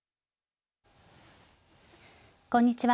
こんにちは。